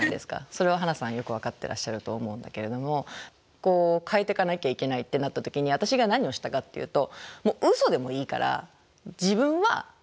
それはハナさんよく分かってらっしゃると思うんだけれども変えていかなきゃいけないってなった時に私が何をしたかっていうとウソでもいいから自分はきれい。